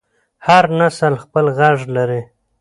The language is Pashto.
هر نسل خپل غږ لري